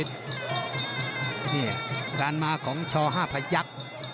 นี่การมาของช๕พยักษ์